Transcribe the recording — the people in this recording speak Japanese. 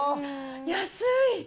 安い！